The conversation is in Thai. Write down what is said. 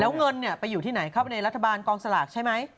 แล้วเงินไปอยู่ที่ไหนเข้าไปในรัฐบาลกองสลากใช่ไหม